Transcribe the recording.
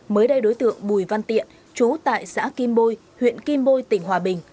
mới đây đối tượng bùi văn tiện chú tại xã kim bôi huyện kim bôi tỉnh hòa bình